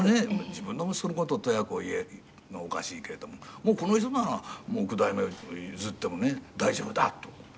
自分の息子の事をとやかく言うのはおかしいけれどももうこの人なら九代目を譲ってもね大丈夫だと」